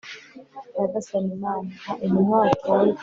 nyagasani mana, ha intumwa watoye